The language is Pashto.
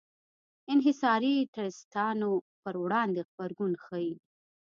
انحصاري ټرستانو پر وړاندې غبرګون ښيي.